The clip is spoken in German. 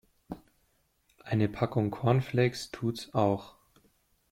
Eine Packung Cornflakes tut's auch.